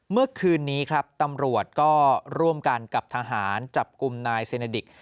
เมื่อคืนนี้ครับตำรวจก็ร่วมกันกับทหารจับกลุ่มนายเซเนดิก